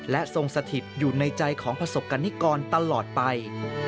และทรงสถิตอยู่ในใจของประสบกรณิกรตลอดไป